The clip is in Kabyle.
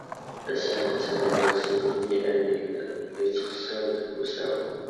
Tasaɛet aya seg mi ay la yettqeṣṣir deg usawal.